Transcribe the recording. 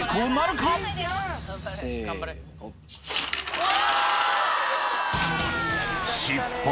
うわ！